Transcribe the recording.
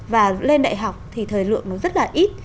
và lên đại học thì thời lượng nó rất là ít